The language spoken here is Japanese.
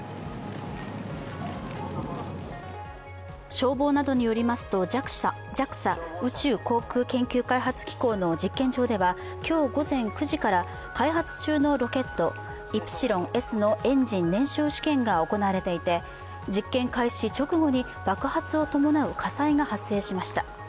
消防などによりますとＪＡＸＡ＝宇宙航空研究開発機構の実験場では今日午前９時から開発中のロケット・イプシロンＳのエンジン燃焼試験が行われていて実験開始直後に爆発を伴う火災が発生しました。